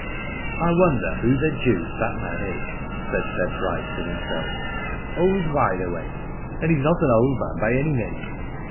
' '*I wonder who the deuce that man is," said Ted Bryce to himself. Old Wide Awake, and he's not an old man by any means.